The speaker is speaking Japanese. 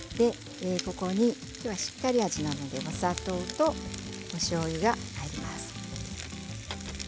ここにしっかり味なのでお砂糖をおしょうゆが入ります。